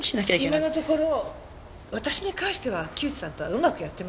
今のところ私に関しては木内さんとはうまくやってます。